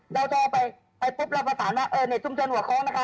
เราโทรไปไปปุ๊บเราผสานว่าเออเนี่ยชุมชนหัวโค้งนะคะ